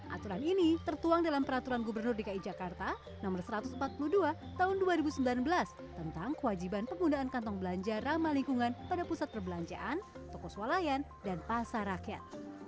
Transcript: aturan ini tertuang dalam peraturan gubernur dki jakarta no satu ratus empat puluh dua tahun dua ribu sembilan belas tentang kewajiban penggunaan kantong belanja ramah lingkungan pada pusat perbelanjaan toko swalayan dan pasar rakyat